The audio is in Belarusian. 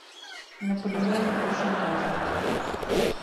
На палігоне тушым разам.